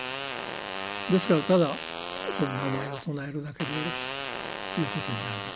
ですからただその名前を称えるだけでよろしいということになるんでしょうね。